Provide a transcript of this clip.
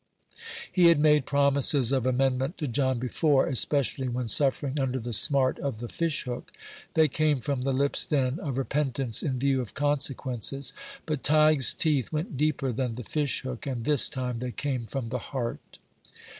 He had made promises of amendment to John before, especially when suffering under the smart of the fish hook. They came from the lips then a repentance in view of consequences; but Tige's teeth went deeper than the fish hook, and this time they came from the heart.